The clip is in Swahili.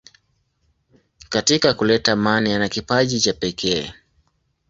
Katika kuleta amani ana kipaji cha pekee.